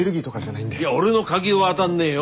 いや俺のカキはあだんねえよ。